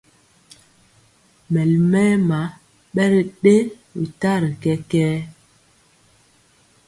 Mali mɛma bɛ ri dɛyɛ tari kɛkɛɛ.